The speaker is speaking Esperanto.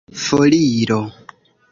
foriro